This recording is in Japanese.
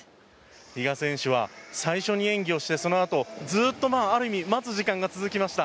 比嘉選手は最初に演技をしてそのあとずっと、ある意味待つ時間が続きました。